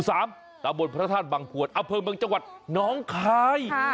ตามบนพระธาตุบังพวนอเผิงเมืองจังหวัดหนองคลาย